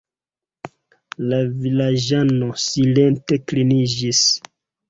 La vilaĝano silente kliniĝis.